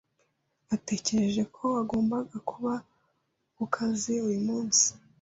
Natekereje ko wagombaga kuba kukazi uyu munsi.